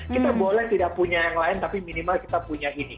kita boleh tidak punya yang lain tapi minimal kita punya ini